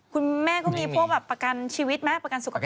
คุณแม่ก็มีพวกแบบประกันชีวิตไหมประกันสุขภาพ